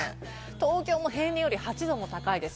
東京も平年より８度も高いです。